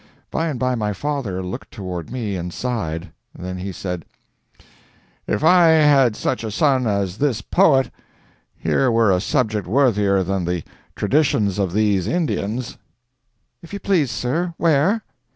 By and by my father looked toward me and sighed. Then he said: "If I had such a son as this poet, here were a subject worthier than the traditions of these Indians." "If you please, sir, where?"